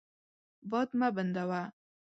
باد مه بندوه.